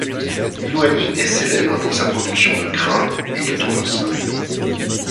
Miluani est célèbre pour sa production de grain et de tournesol.